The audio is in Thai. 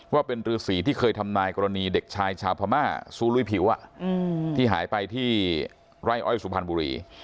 ว่าเป็นฤษีที่เคยทำนายกรณีเด็กชายชาวพม่าซูลุยผิวที่หายไปที่ไร่อ้อยสุพรรณบุรี